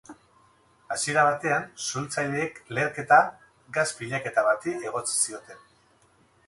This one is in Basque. Hasiera batean, suhiltzaileek leherketa gas pilaketa bati egotzi zioten.